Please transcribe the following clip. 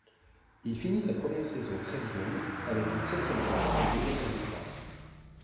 Il finit sa première saison treizième avec une septième place comme meilleur résultat.